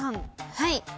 はい。